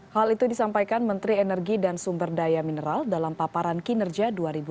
hal itu disampaikan menteri energi dan sumber daya mineral dalam paparan kinerja dua ribu dua puluh